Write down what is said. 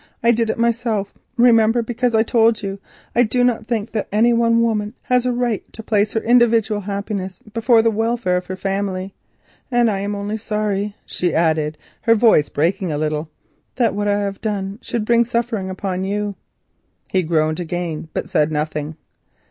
I did it myself, remember, because, as I told you, I do not think that any one woman has a right to place her individual happiness before the welfare of her family. And I am only sorry," she added, her voice breaking a little, "that what I have done should bring suffering upon you." He groaned again, but said nothing.